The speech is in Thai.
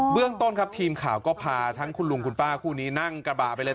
เรื่องต้นครับทีมข่าวก็พาทั้งคุณลุงคุณป้าคู่นี้นั่งกระบะไปเลย